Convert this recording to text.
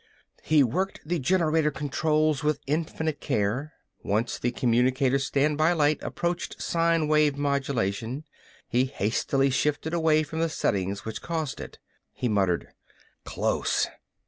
He worked the generator controls with infinite care. Once the communicator's standby light approached sine wave modulation. He hastily shifted away from the settings which caused it. He muttered: "Close!"